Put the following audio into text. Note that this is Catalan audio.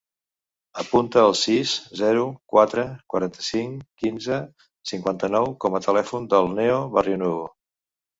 Apunta el sis, zero, quatre, quaranta-cinc, quinze, cinquanta-nou com a telèfon del Neo Barrionuevo.